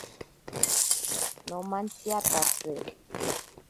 Nomantsiyatatsi.